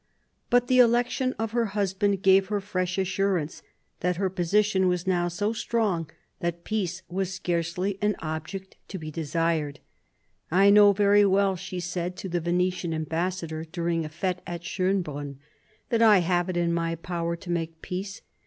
But the election of her husband gave her fresh assurance that her position was now so strong that peace was scarcely an object to be desired " I know very well," she said to the Venetian ambassador during a f6te at Schonbrun, " that I have it in my power to make peace.